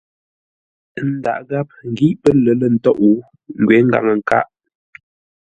Ə́ ndǎghʼ gháp ngǐ pə́ lər lə̂ ntôʼ, ngwě ngaŋə-nkâʼ.